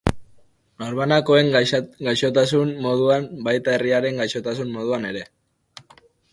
Norbanakoen gaixotasun moduan baita herriaren gaixotasun moduan ere.